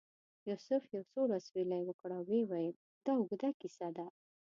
یوسف یو سوړ اسویلی وکړ او ویل یې دا اوږده کیسه ده.